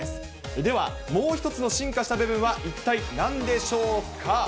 では、もう一つの進化した部分は、一体なんでしょうか。